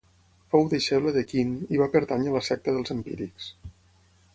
Fou deixeble de Quint i va pertànyer a la secta dels empírics.